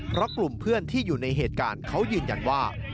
เพราะกลุ่มเพื่อนที่อยู่ในเหตุการณ์เขายืนยันว่า